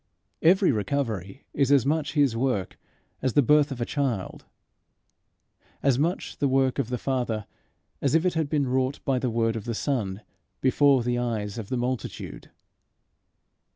Every recovery is as much his work as the birth of a child; as much the work of the Father as if it had been wrought by the word of the Son before the eyes of the multitude.